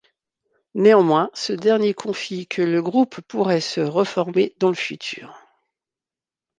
Néanmoins, ce dernier confie que le groupe pourrait se reformer dans le futur.